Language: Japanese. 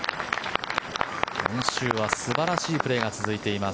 今週は素晴らしいプレーが続いています。